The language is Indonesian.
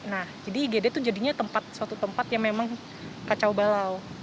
nah jadi igd itu jadinya tempat suatu tempat yang memang kacau balau